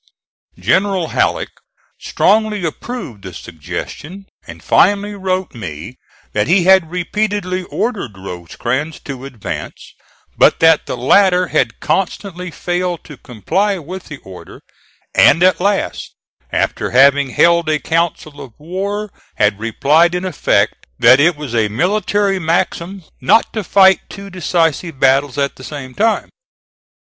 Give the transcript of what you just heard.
General Halleck strongly approved the suggestion, and finally wrote me that he had repeatedly ordered Rosecrans to advance, but that the latter had constantly failed to comply with the order, and at last, after having held a council of war, had replied in effect that it was a military maxim "not to fight two decisive battles at the same time."